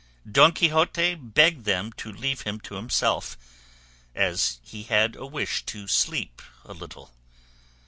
Don Quixote begged them to leave him to himself, as he had a wish to sleep a little.